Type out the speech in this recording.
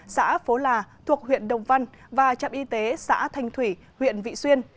xã phố là thuộc huyện đồng văn và trạm y tế xã thanh thủy huyện vị xuyên